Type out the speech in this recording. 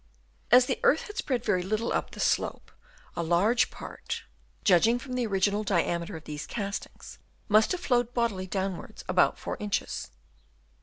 As the earth had spread very little up the slope, a large part, judging from the original diameter of these castings, must have flowed bodily downwards about 4 inches.